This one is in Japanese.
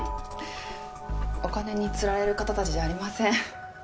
お金につられる方たちじゃありません。